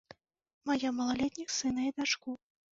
Мае малалетніх сына і дачку.